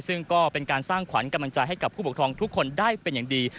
ซึ่งก็เป็นการสร้างขวัญกำลังใจให้กับผู้ปกครองทุกคนได้เป็นอย่างดี